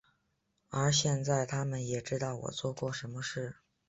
而现在他们也知道我做过什么事。